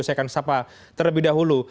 saya akan sapa terlebih dahulu